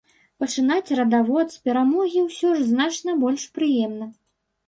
Пачынаць радавод з перамогі ўсё ж значна больш прыемна.